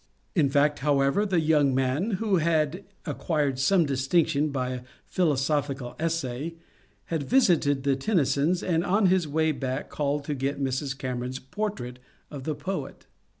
In fact, however, the young man, who had acquired some distinction by a philo sophical essay, had visited the Tennysons, and on his way back called to get Mrs. Cameron's portrait of the poet.